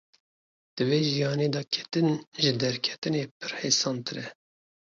Di vê jiyanê de ketin ji derketinê pir hêsantir e.